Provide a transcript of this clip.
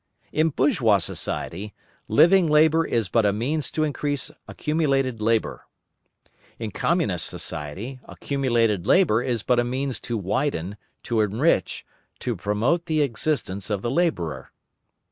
In bourgeois society, living labour is but a means to increase accumulated labour. In Communist society, accumulated labour is but a means to widen, to enrich, to promote the existence of the labourer.